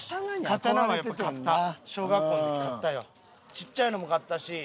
ちっちゃいのも買ったし。